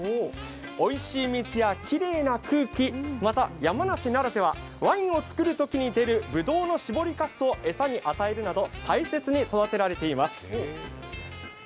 おいしい水やきれいな空気、また山梨ならではワインを作るときに出るぶどうの絞り汁を餌に与えるなど大切に育てられています。